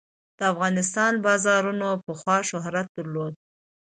د افغانستان بازارونو پخوا شهرت درلود.